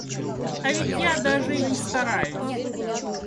А ведь я даже и не стараюсь.